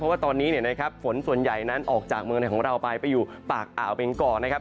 ว่าตอนนี้เนี่ยนะครับฝนส่วนใหญ่นั้นออกจากเมืองไทยของเราไปไปอยู่ปากอ่าวเบงกอนะครับ